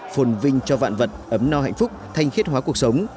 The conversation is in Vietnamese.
phồn vinh cho vạn vật ấm no hạnh phúc thanh khiết hóa cuộc sống